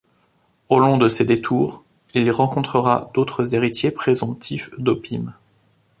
Au long de ces détours, il rencontrera d'autres héritiers présomptifs d'Opime.